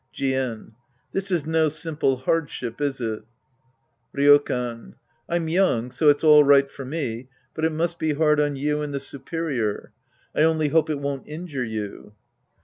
Jien. This is no simple hardship, is it ? Rydkan. I'm young, so it's all right for me, but it must be hard on you and the superior. I only hope it won't injure you.